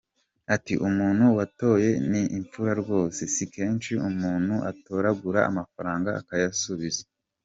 Ati : «Umuntu wayatoye ni imfura rwose, si kenshi umuntu atoragura amafaranga akayasubiza.